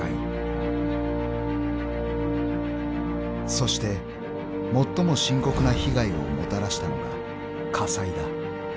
［そして最も深刻な被害をもたらしたのが］